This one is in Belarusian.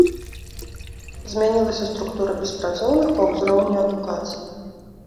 Змянілася структура беспрацоўных па ўзроўні адукацыі.